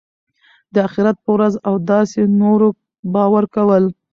د آخرت په ورځ او داسي نورو باور کول .